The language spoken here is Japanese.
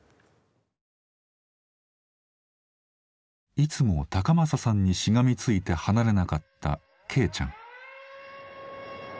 いつも孝眞さんにしがみついて離れなかった恵ちゃん。